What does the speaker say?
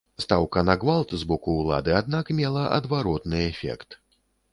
Стаўка на гвалт з боку ўлады, аднак, мела адваротны эфект.